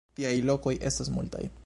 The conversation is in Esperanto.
Tiaj lokoj estas multaj.